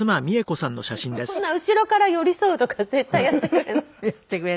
こんな後ろから寄り添うとか絶対やってくれない。